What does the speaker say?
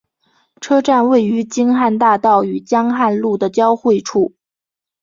车站位于京汉大道与江汉路的交汇处。